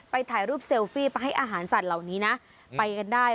ถ่ายรูปเซลฟี่ไปให้อาหารสัตว์เหล่านี้นะไปกันได้